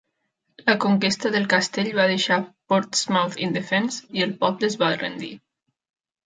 La conquesta del castell va deixar Portsmouth indefens i el poble es va rendir.